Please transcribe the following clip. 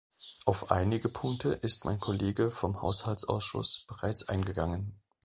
Auf einige Punkte ist mein Kollege vom Haushaltsausschuss bereits eingegangen.